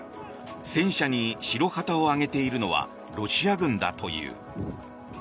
戦車に白旗を揚げているのはロシア軍だという。